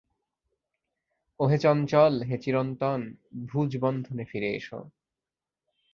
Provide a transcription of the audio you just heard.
ওহে চঞ্চল, হে চিরন্তন, ভুজবন্ধনে ফিরে এসো!